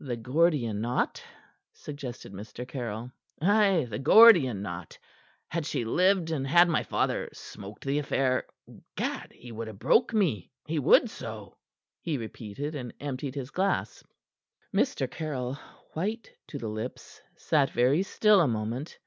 "The Gordian knot?" suggested Mr. Caryll. "Ay the Gordian knot. Had she lived and had my father smoked the affair Gad! he would ha' broke me; he would so!" he repeated, and emptied his glass. Mr. Caryll, white to the lips, sat very still a moment.